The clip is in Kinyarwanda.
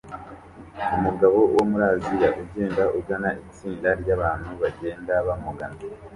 Umugabo wo muri Aziya ugenda ugana itsinda ryabantu bagenda bamugana